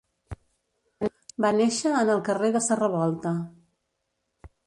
Va néixer en el carrer de sa Revolta.